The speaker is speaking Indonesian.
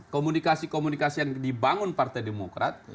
komunikasi komunikasi yang dibangun partai demokrat